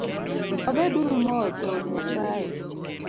Wabed uru mos eod Nyasaye